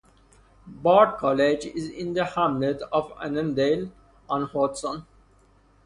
Bard College is in the hamlet of Annandale-on-Hudson.